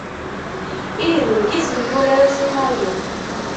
Ih, d nekk i sen-yuran asinaryu.